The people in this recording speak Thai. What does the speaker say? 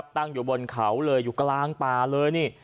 ตั้งอยู่บนเขาเลยอยู่กลางป่าเลยนี่